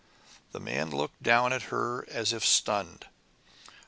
The man looked down at her as if stunned.